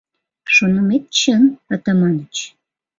«ШОНЫМЕТ ЧЫН, АТАМАНЫЧ!»